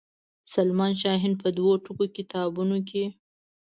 سلما شاهین په دوو ټوکه کتابونو کې.